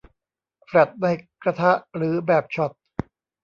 แฟลชในกระทะหรือแบบช็อต